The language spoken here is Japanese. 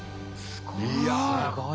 すごい。